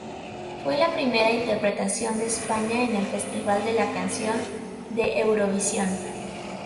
Fue la primera interpretación de España en el Festival de la Canción de Eurovisión.